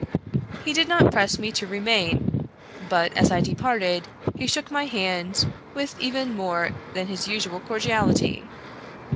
He did not press me to remain, but, as I departed, he shook my hand with even more than his usual cordiality.